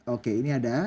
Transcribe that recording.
oke ini ada